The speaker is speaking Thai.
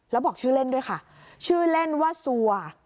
แล้วบอกชื่อเล่นด้วยค่ะชื่อเล่นว่าซัว